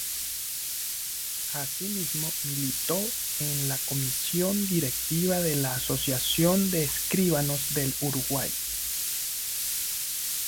Asimismo militó en la comisión directiva de la Asociación de Escribanos del Uruguay.